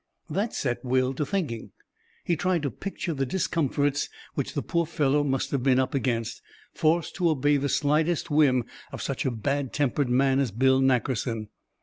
That set Will to thinking. He tried to picture the discomforts which the poor fellow must have been up against, forced to obey the slightest whim of such a bad tempered man as Bill Nackerson.